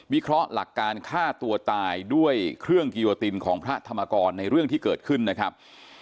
เคราะห์หลักการฆ่าตัวตายด้วยเครื่องกิโยตินของพระธรรมกรในเรื่องที่เกิดขึ้นนะครับ